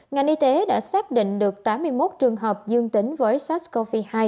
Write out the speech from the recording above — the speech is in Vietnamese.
ngành y tế đã xác định được tám mươi một trường hợp dương tính với sars cov hai